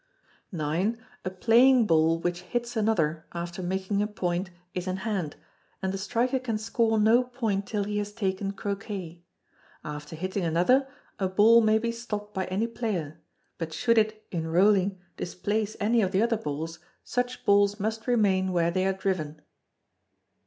ix. A playing ball which hits another after making a point is in hand, and the striker can score no point till he has taken Croquet. After hitting another, a ball may be stopped by any player; but should it, in rolling, displace any of the other balls, such balls must remain where they are driven.